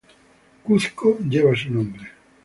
Cuzco lleva su nombre.